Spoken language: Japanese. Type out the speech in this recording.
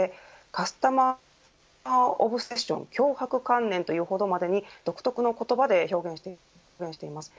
カスタマーオブセッション強迫観念というほどまでに独特の言葉で表現しています。